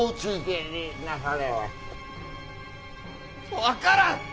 分からん！